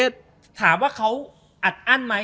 สถาทว่าเขาอัดอนมั้ย